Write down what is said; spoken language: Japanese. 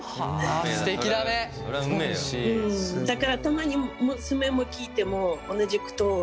だからたまに娘も聞いても同じことを。